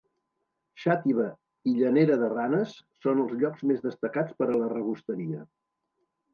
Xàtiva i Llanera de Ranes són els llocs més destacats per a la rebosteria.